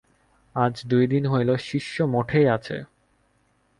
আজ দুই দিন হইল শিষ্য মঠেই আছে।